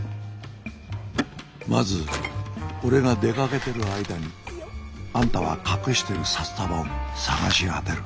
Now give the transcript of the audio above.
まず俺が出かけてる間にあんたは隠してる札束を探し当てる。